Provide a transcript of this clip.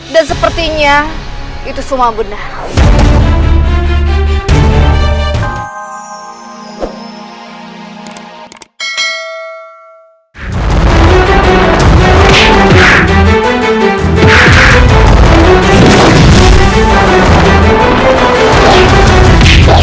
dan sepertinya itu semua benar